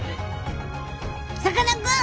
さかなクン！